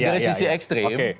dari sisi ekstrim